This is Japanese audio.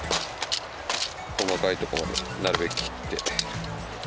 細かいところもなるべく切って。